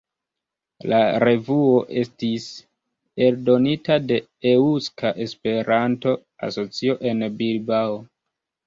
La revuo estis eldonita de Eŭska Esperanto-Asocio en Bilbao.